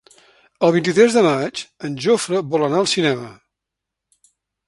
El vint-i-tres de maig en Jofre vol anar al cinema.